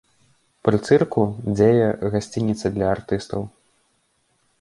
Пры цырку дзее гасцініца для артыстаў.